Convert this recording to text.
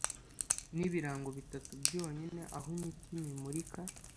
nibirango bitatu byonyine aho imitima imurika